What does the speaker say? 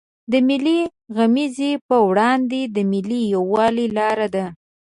د ملي غمیزو پر وړاندې د ملي یوالي لار ده.